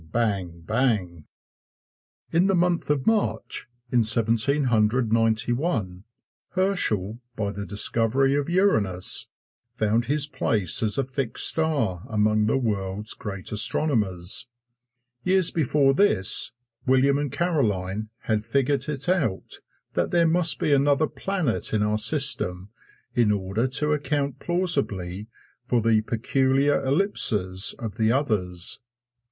bang! bang! In the month of March, in Seventeen Hundred Ninety one, Herschel, by the discovery of Uranus, found his place as a fixed star among the world's great astronomers. Years before this, William and Caroline had figured it out that there must be another planet in our system in order to account plausibly for the peculiar ellipses of the others.